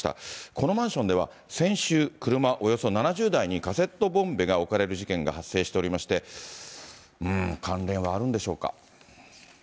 このマンションでは先週、車およそ７０台にカセットボンベが置かれる事件が発生していまして、うーん、関連はあるんでしょうか。